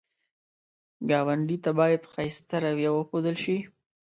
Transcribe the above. ګاونډي ته باید ښایسته رویه وښودل شي